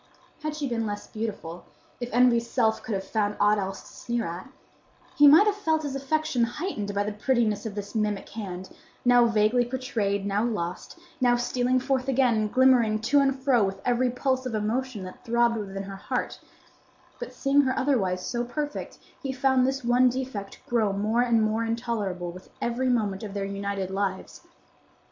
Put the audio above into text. Had she been less beautiful,—if Envy's self could have found aught else to sneer at,—he might have felt his affection heightened by the prettiness of this mimic hand, now vaguely portrayed, now lost, now stealing forth again and glimmering to and fro with every pulse of emotion that throbbed within her heart; but seeing her otherwise so perfect, he found this one defect grow more and more intolerable with every moment of their united lives.